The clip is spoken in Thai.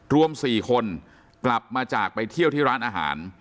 รวม๔คนกลับมาจากไปเที่ยวที่ร้านอาหาร